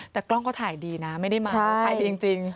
แต่กล้องก็ถ่ายดีนะไม่ได้มาถ่ายดีจริง